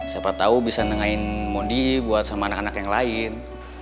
siapa tahu bisa nengahin modi buat sama anak anak yang lain